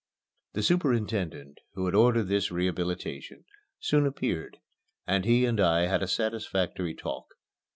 The superintendent, who had ordered this rehabilitation, soon appeared, and he and I had a satisfactory talk.